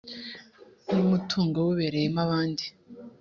n umutungo w ubereyemo abandi